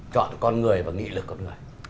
chọn con người và nghị lực con người